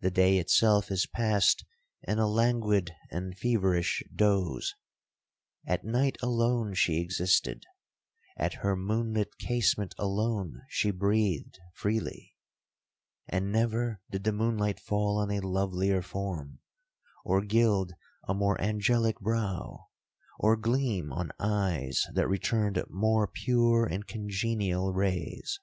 The day itself is passed in a languid and feverish doze. At night alone she existed,—at her moon lit casement alone she breathed freely; and never did the moonlight fall on a lovelier form, or gild a more angelic brow, or gleam on eyes that returned more pure and congenial rays.